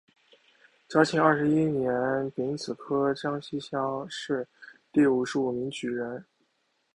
嘉庆二十一年丙子科江西乡试第五十五名举人。